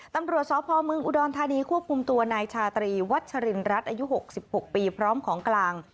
ตำรวจสพเมืองอุดรธานีควบคุมตัวนายชาตรีวัชรินรัฐอายุ๖๖ปีพร้อมของกลาง